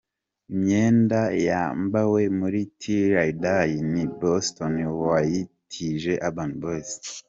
Imyenda yambawe muri ’Till I Die’ ni Boston wayitije Urban Boyz:.